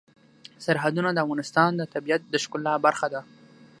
سرحدونه د افغانستان د طبیعت د ښکلا برخه ده.